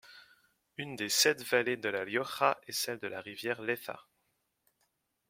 Une des sept vallées de La Rioja est celle de la rivière Leza.